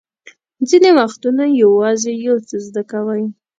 ځینې وختونه یوازې یو څه زده کوئ.